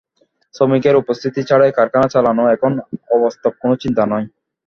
শ্রমিকের উপস্থিতি ছাড়াই কারখানা চালানো এখন অবাস্তব কোনো চিন্তা নয়।